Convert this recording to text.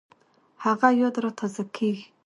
هغه یاد را تازه کېږي